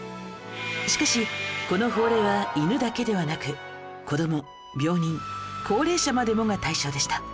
しかしこの法令は犬だけではなく子ども病人高齢者までもが対象でした